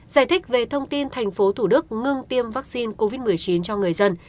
giải thích về thông tin tp hcm ngưng tiêm vaccine covid một mươi chín cho người dân